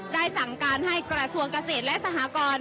สั่งการให้กระทรวงเกษตรและสหกร